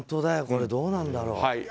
これ、どうなんだろう？